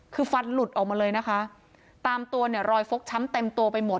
คือฟันหลุดออกมาเลยนะคะตามตัวเนี่ยรอยฟกช้ำเต็มตัวไปหมด